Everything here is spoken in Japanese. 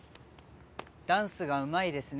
「ダンスがうまいですね」